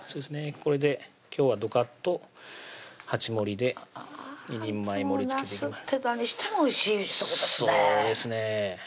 これで今日はどかっと鉢盛りで２人前盛りつけてなすって何してもおいしそうですね